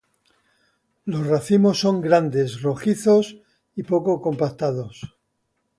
Los racimos son grandes, rojizos y poco compactados.